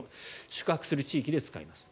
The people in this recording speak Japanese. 宿泊する地域で使えます。